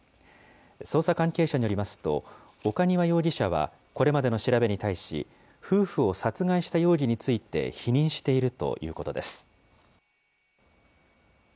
捜査関係者によりますと、岡庭容疑者はこれまでの調べに対し、夫婦を殺害した容疑について否認しているということです。